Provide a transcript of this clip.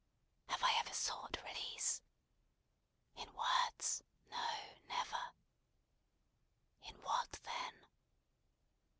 "Have I ever sought release?" "In words. No. Never." "In what, then?"